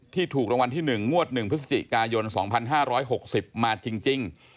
ถูกรางวัลที่๑งวด๑พฤศจิกายน๒๕๖๐มาจริง